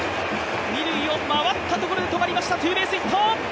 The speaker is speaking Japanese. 二塁を回っているところで止まりました、ツーベースヒット！